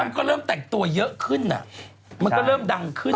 มันก็เริ่มแต่งตัวเยอะขึ้นมันก็เริ่มดังขึ้น